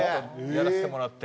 やらせてもらって。